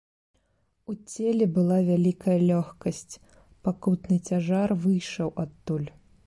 У целе была вялікая лёгкасць, пакутны цяжар выйшаў адтуль.